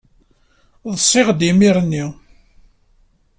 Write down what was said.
Ḍsiɣ-d imir-nni.